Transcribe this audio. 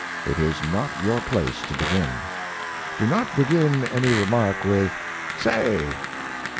It is not your place to begin. "Do not begin any remark with 'Say.'"